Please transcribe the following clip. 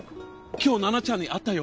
今日ナナちゃんに会ったよ！